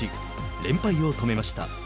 連敗を止めました。